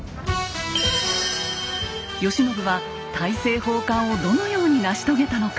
慶喜は大政奉還をどのように成し遂げたのか。